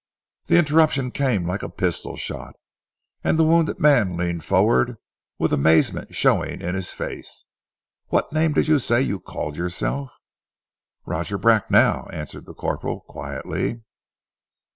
The interruption came like a pistol shot, and the wounded man leaned forward with amazement showing in his face. "What name did you say you called yourself?" "Roger Bracknell!" answered the corporal quietly.